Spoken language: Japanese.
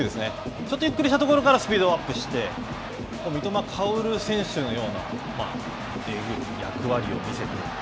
ちょっとゆっくりしたところから、スピードアップして、三笘薫選手のようなえぐい役割を見せている。